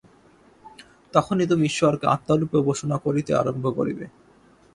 তখনই তুমি ঈশ্বরকে আত্মারূপে উপাসনা করিতে আরম্ভ করিবে।